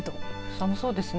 寒そうですね。